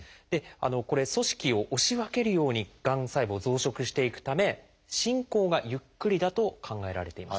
これ組織を押し分けるようにがん細胞増殖していくため進行がゆっくりだと考えられています。